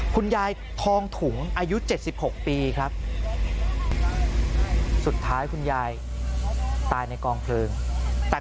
คุณยายทองถุงอายุ๗๖ปีครับสุดท้ายคุณยายตายในกองเพลิงแต่